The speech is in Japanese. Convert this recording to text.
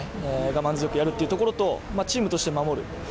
我慢強くやるっていうところとチームとして守る。